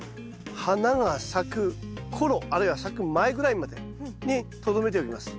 花が咲く頃あるいは咲く前ぐらいまでにとどめておきます。